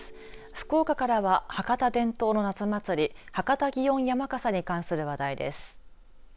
福岡からは博多伝統の夏祭り博多祇園山笠に関する話題です。